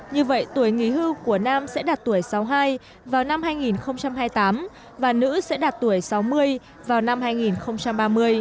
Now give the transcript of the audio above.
như vậy tuổi nghỉ hưu của nam sẽ đạt tuổi sáu mươi hai vào năm hai nghìn hai mươi tám và nữ sẽ đạt tuổi sáu mươi vào năm hai nghìn ba mươi